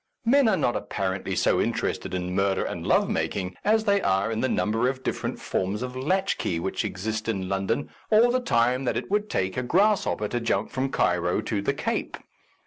Men are not apparently so interested in murder and love making as they are in the number of different forms of latchkey which exist in London or the time that it would take a A Defence of Useful Information grasshopper to jump from Cairo to the Cape.